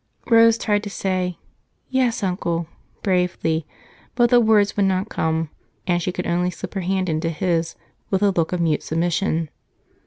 Rose tried to say, "Yes, Uncle" bravely, but the words would not come, and she could only slip her hand into his with a look of mute submission.